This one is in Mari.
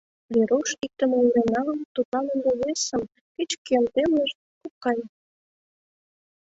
Веруш иктым ойырен налын, тудлан ынде весым кеч-кӧм темлышт, ок кай.